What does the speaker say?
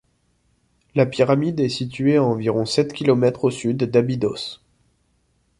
La pyramide est située à environ sept kilomètres au sud d'Abydos.